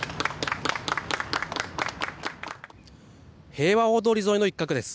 平和大通り沿いの一角です。